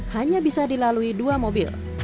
hanya bisa dilalui dua mobil